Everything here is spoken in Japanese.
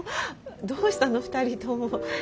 どうしたの２人とも。